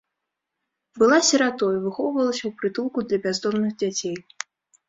Была сіратой, выхоўвалася ў прытулку для бяздомных дзяцей.